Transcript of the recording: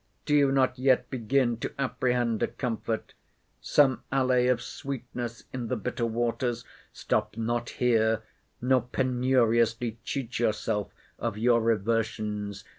do you not yet begin to apprehend a comfort? some allay of sweetness in the bitter waters? Stop not here, nor penuriously cheat yourself of your reversions.